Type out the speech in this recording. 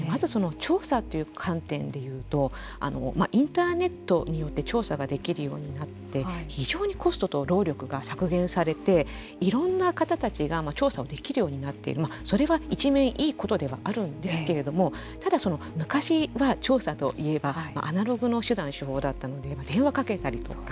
まず調査という観点でいうとインターネットによって調査ができるようになって非常にコスト、労力が削減されていろんな方たちが調査をできるようになってそれは一面いいことではあるんですけれどもただ、昔は調査といえばアナログの手段、手法だったので電話をかけたりとか。